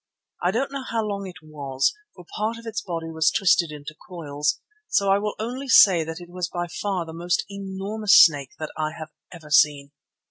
I don't know how long it was, for part of its body was twisted into coils, so I will only say that it was by far the most enormous snake that I have ever seen.